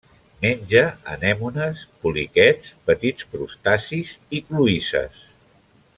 Menja anemones, poliquets, petits crustacis i cloïsses.